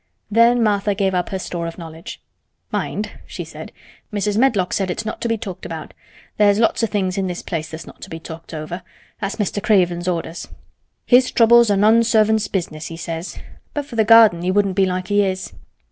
Then Martha gave up her store of knowledge. "Mind," she said, "Mrs. Medlock said it's not to be talked about. There's lots o' things in this place that's not to be talked over. That's Mr. Craven's orders. His troubles are none servants' business, he says. But for th' garden he wouldn't be like he is.